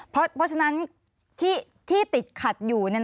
เพราะฉะนั้นที่ติดขัดอยู่